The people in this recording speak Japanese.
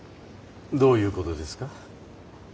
どういうことですか？